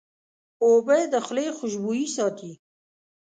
اوبه د خولې خوشبویي ساتي.